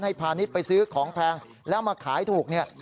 พาณิชย์ไปซื้อของแพงแล้วมาขายถูกเนี่ย